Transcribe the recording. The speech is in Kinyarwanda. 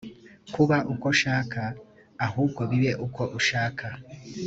kuba uko nshaka ahubwo bibe uko ushaka